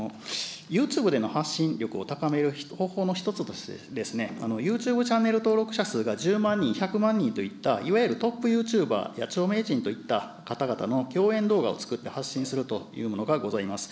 ユーチューブでの発信力を高める方法の一つとしてですね、ユーチューブチャンネル登録者数が１０万人、１００万人といった、いわゆるトップユーチューバーや著名人といった方々の共演動画を作って発信するというものがございます。